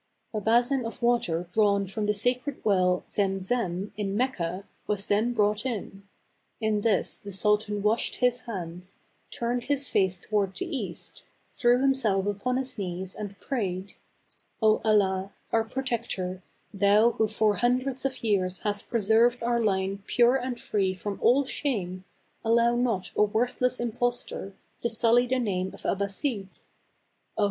A basin of water drawn from the sacred well Zem Zem, in Mecca, was then brought in. In this the sultan washed his hands, turned his face toward the east, threw himself upon his knees and prayed :" 0, Allah, our protector, thou who for hundreds of years hast preserved our line pure and free from all shan^e, allow not a worth less impostor to sully the name of Abassid. Oh